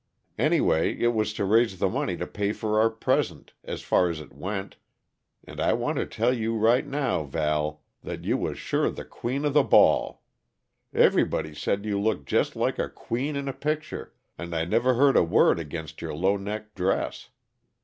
Anyway, it was to raise the money to pay for our present, as far as it went and I want to tell you right now, Val, that you was sure the queen of the ball; everybody said you looked jest like a queen in a picture, and I never heard a word ag'inst your low neck dress.